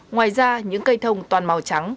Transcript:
ngoài ra những cây thông toàn màu trắng